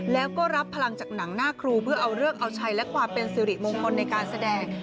แล้วก็รับพลังจากหนังหน้าครูเพื่อเอาเลิกเอาชัยและความเป็นสิริมงคลในการแสดง